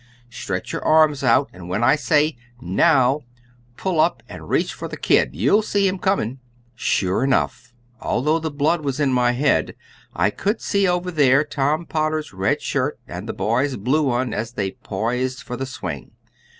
Stretch your arms out, and when I say, 'Now,' pull up and reach for the 'kid' you'll see him coming." Sure enough, although the blood was in my head, I could see over there Tom Potter's red shirt and the boy's blue one as they poised for the swing.